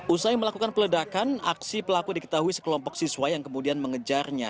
usai melakukan peledakan aksi pelaku diketahui sekelompok siswa yang kemudian mengejarnya